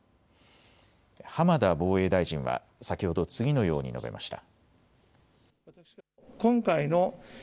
浜田防衛大臣は先ほど次のように述べました。